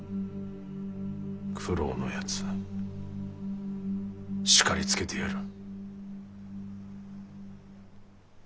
九郎のやつ叱りつけてやる。